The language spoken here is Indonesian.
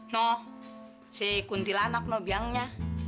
noh si kuntilanak noh biangnya